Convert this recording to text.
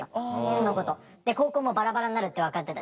その子と。で高校もバラバラになるって分かってたし。